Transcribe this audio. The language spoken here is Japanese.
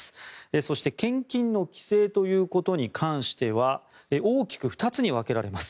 そして献金の規制ということに関しては大きく２つに分けられます。